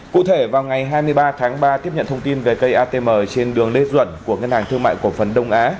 cụ thể vào ngày hai mươi ba tháng ba tiếp nhận thông tin về cây atm trên đường lê duẩn của ngân hàng thương mại cổ phần đông á